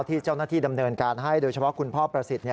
ที่เจ้าหน้าที่ดำเนินการให้โดยเฉพาะคุณพ่อประสิทธิ์